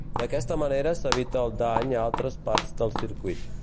D'aquesta manera s'evita el dany a altres parts del circuit.